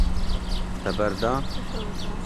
Te berda.